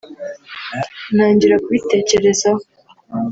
ntangira kubitekerezaho